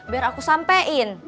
biar aku sampein